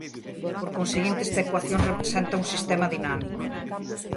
Por conseguinte esta ecuación representa un sistema dinámico.